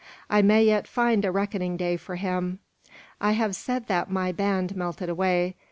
I may yet find a reckoning day for him. "I have said that my band melted away.